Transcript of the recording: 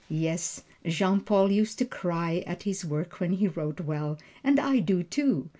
Yes, Jean Paul used to cry at his work when he wrote well, and I do, too.